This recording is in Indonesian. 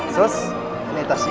sus ini tasnya